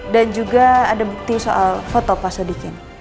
dan juga ada bukti soal foto pas diken